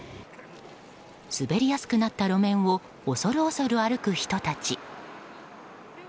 滑りやすくなった路面を恐る恐る歩く人たち。